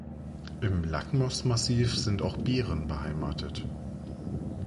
Im Lakmos-Massiv sind auch Bären beheimatet.